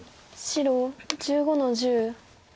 白１５の十。